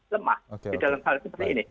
lemah di dalam hal seperti ini